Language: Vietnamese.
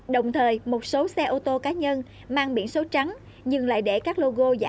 đồng thời một số xe ô tô cá nhân mang biển số trắng nhưng lại để các logo giả